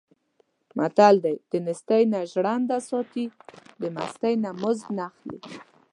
متل دی: دنېستۍ نه ژرنده ساتي، د مستۍ نه مزد نه اخلي.